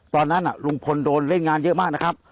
ตอนนั้นลุงพลโดนเล่นงานเยอะมากนะครับ